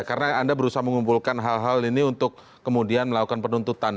karena anda berusaha mengumpulkan hal hal ini untuk kemudian melakukan penuntutan